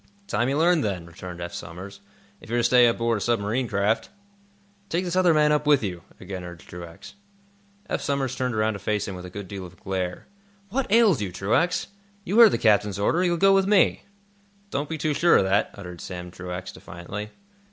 "Time you learned, then," returned Eph Somers, "if you're to stay aboard a submarine craft." "Take this other man up with you," again urged Truax. Eph Somers turned around to face him with a good deal of a glare. "What ails you, Truax? You heard the captain's order. You'll go with me." "Don't be too sure of that," uttered Sam Truax, defiantly.